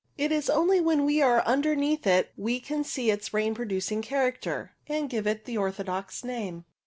It is only when we are underneath it we can see its rain producing character, and give it the orthodox name.